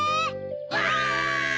わい！